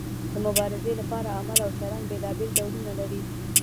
د مبارزې لپاره عمل او چلند بیلابیل ډولونه لري.